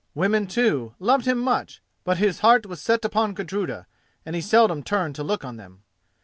Women, too, loved him much; but his heart was set upon Gudruda, and he seldom turned to look on them.